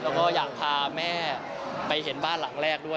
แล้วก็อยากพาแม่ไปเห็นบ้านหลังแรกด้วย